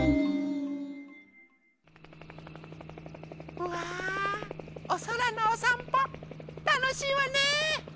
うわおそらのおさんぽたのしいわね。